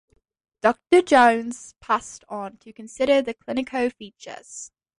Dr. Jones passed on to consider the clinical features.